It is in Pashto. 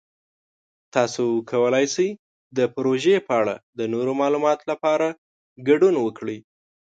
تاسو کولی شئ د پروژې په اړه د نورو معلوماتو لپاره ګډون وکړئ.